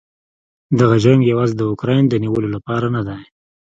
دغه جنګ یواځې د اوکراین د نیولو لپاره نه دی.